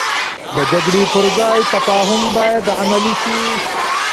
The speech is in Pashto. د جګړې پر ځای تفاهم باید عملي شي.